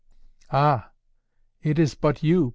"Ah! It is but you!